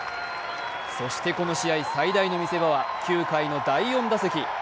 そしてこの試合、最大の見せ場は９回の第４打席。